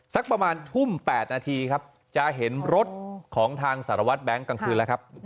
สักประมาณทุ่ม๘นาทีครับจะเห็นรถของทางสารวัตรแบงค์กลางคืนแล้วครับ